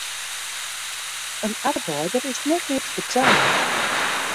In arbeider is net mear te beteljen.